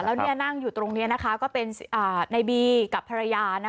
แล้วนั่งอยู่ตรงนี้นะคะก็เป็นในบีกับภรรยา